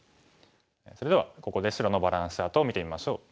それではここで白のバランスチャートを見てみましょう。